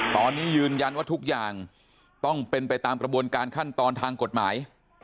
ตอนนี้ยืนยันว่าทุกอย่างต้องเป็นไปตามกระบวนการขั้นตอนทางกฎหมาย